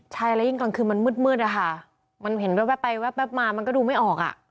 ใช่แล้วยิ่งกลางคืนมันมืดอะค่ะมันเห็นแว๊บไปแว๊บมามันก็ดูไม่ออกอ่ะ